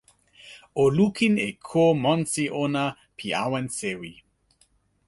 o lukin e ko monsi ona pi awen sewi.